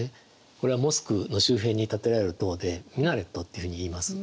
これはモスクの周辺に建てられる塔でミナレットっていうふうにいいます。